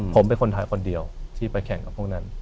ผมเป็นคนไทยคนเดียวที่ไปแข่งกับพวกนั้น